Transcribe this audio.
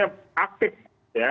ini aktif ya